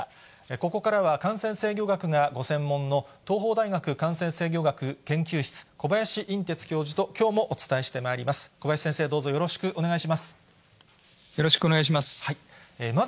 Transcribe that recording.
ここからは感染制御学がご専門の、東邦大学感染制御学研究室、小林寅てつ教授と、きょうもお伝えしてまいります。